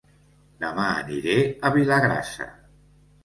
Dema aniré a Vilagrassa